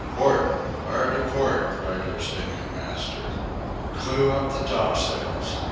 "Port! hard a port!" cried our sailing master. "Clew up the topsails!